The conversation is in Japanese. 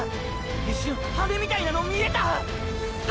一瞬ハネみたいなの見えたァ！！